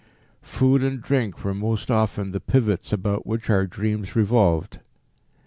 Food and drink were most often the pivots about which our dreams revolved.